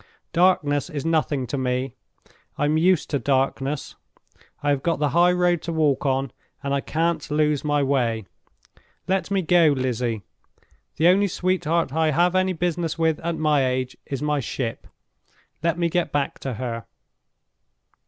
Darkness is nothing to me—I'm used to darkness. I have got the high road to walk on, and I can't lose my way. Let me go, Lizzie! The only sweetheart I have any business with at my age is my ship. Let me get back to her!"